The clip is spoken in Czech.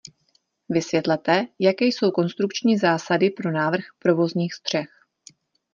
Vysvětlete, jaké jsou konstrukční zásady pro návrh provozních střech.